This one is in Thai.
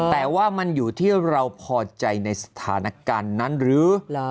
แต่ว่ามันอยู่ที่เราพอใจในสถานการณ์นั้นหรือ